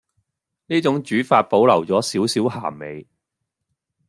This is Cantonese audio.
呢種煮法保留左少少鹹味